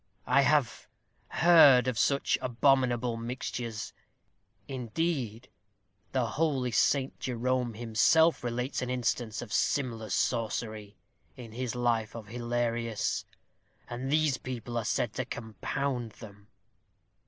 "I have heard of such abominable mixtures; indeed, the holy St. Jerome himself relates an instance of similar sorcery, in his life of Hilarius; and these people are said to compound them."